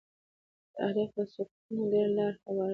تاریخ د صدقونو ډېره لار لري.